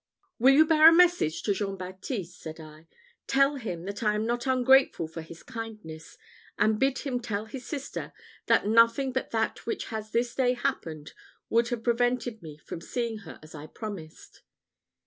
"Will you bear a message to Jean Baptiste?" said I. "Tell him that I am not ungrateful for his kindness; and bid him tell his sister, that nothing but that which has this day happened would have prevented me from seeing her as I promised."